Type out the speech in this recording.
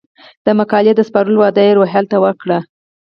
د مقالې د سپارلو وعده یې روهیال ته وکړه.